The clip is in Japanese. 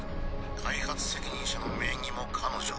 開発責任者の名義も彼女だ。